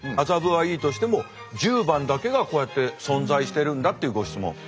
麻布はいいとしても十番だけがこうやって存在してるんだっていうご質問。